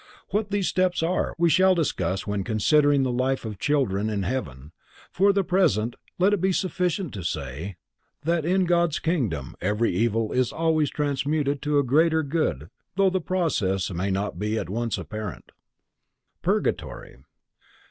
What these steps are, we shall discuss when considering the life of children in heaven, for the present let it be sufficient to say that in God's kingdom every evil is always transmuted to a greater good though the process may not be at once apparent. _Purgatory.